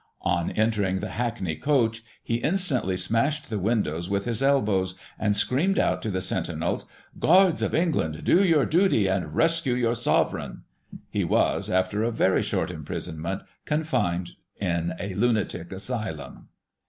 On entering the hackney coach, he instantly smashed the windows with his elbows, and screamed out to the sentinels :" Guards of England, do your duty, and rescue your Sovereign." He was, after a very short imprisonment, confined in a lunatic asylum.